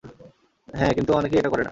হ্যাঁ কিন্তু অনেকেই এটা করেনা।